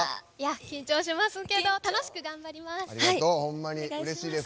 緊張しますけど楽しく頑張ります。